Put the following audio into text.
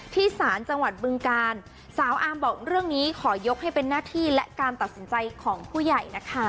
ศาลจังหวัดบึงกาลสาวอาร์มบอกเรื่องนี้ขอยกให้เป็นหน้าที่และการตัดสินใจของผู้ใหญ่นะคะ